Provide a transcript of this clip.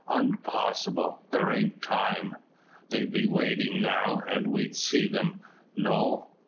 "Unpossible. Thar ain't time. They'd be wadin' now, an' we'd see 'em. No.